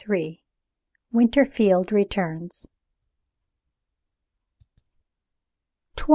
WINTERFIELD RETURNS.